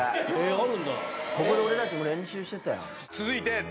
続いて。